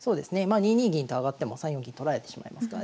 まあ２二銀と上がっても３四銀取られてしまいますからね